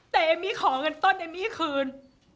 แต่เอมมี่ขอเงินต้นเอมมี่คืน